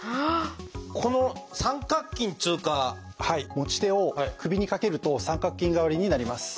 持ち手を首にかけると三角巾代わりになります。